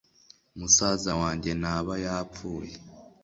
musaza wanjye ntaba yapfuye."